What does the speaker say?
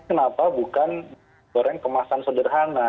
kenapa bukan goreng kemasan sederhana